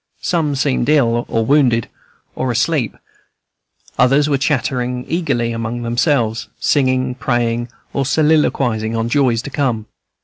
Some seemed ill, or wounded, or asleep, others were chattering eagerly among themselves, singing, praying, or soliloquizing on joys to come.